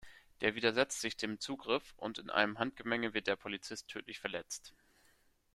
Der widersetzt sich dem Zugriff, und in einem Handgemenge wird der Polizist tödlich verletzt.